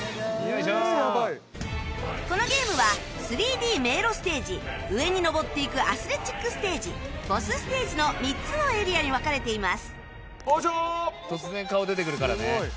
このゲームは ３Ｄ 迷路ステージ上に登っていくアスレチックステージボスステージの３つのエリアに分かれています